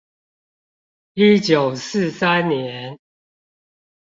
一九四三年